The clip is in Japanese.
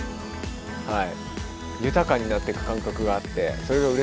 はい。